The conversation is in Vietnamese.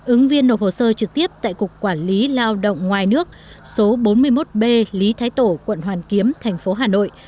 ứng viên nộp hồ sơ trực tiếp tại cục quản lý lao động ngoài nước số bốn mươi một b lý thái tổ quận hoàn kiếm thành phố hà nội